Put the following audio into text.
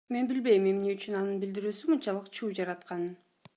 Мен билбейм эмне үчүн анын билдирүүсү мынчалык чуу жаратканын.